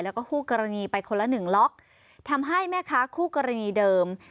แล้วก็คู่กรณีไปคนละหนึ่งล็อกทำให้แม่ค้าคู่กรณีเดิม